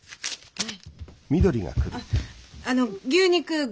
はい。